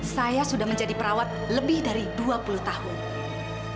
saya sudah menjadi perawat lebih dari dua puluh tahun